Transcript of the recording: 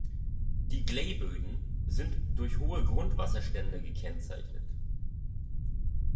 Die Gley-Böden sind durch hohe Grundwasserstände gekennzeichnet.